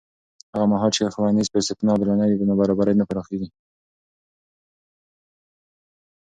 هغه مهال چې ښوونیز فرصتونه عادلانه وي، نابرابري نه پراخېږي.